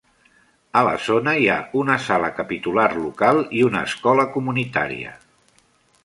A la zona, hi ha una Sala Capitular local i una escola comunitària.